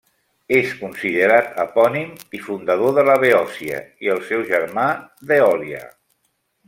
És considerat epònim i fundador de la Beòcia i el seu germà, d'Eòlia.